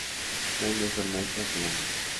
No hay mejor maestra que el hambre